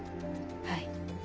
はい。